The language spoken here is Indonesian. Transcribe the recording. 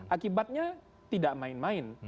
akibatnya tidak main main